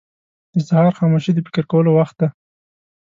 • د سهار خاموشي د فکر کولو وخت دی.